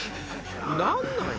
何なんよ？